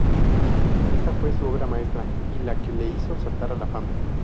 Esta fue su obra maestra y la que le hizo saltar a la fama.